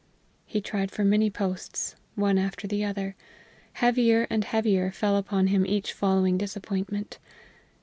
He tried for many posts, one after the other. Heavier and heavier fell upon him each following disappointment.